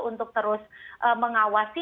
untuk terus mengawasi